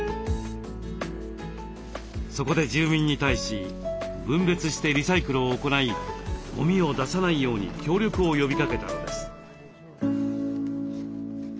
そこで住民に対し分別してリサイクルを行いゴミを出さないように協力を呼びかけたのです。